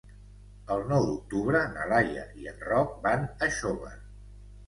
El nou d'octubre na Laia i en Roc van a Xóvar.